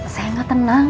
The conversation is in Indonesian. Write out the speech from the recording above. saya gak tenang